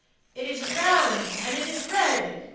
It is round and it is red!